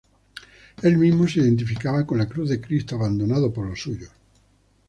Él mismo se identificaba con la cruz de Cristo, abandonado por los suyos.